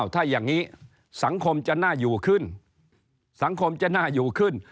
ถ้าอย่างนี้สังคมจะน่าอยู่ขึ้น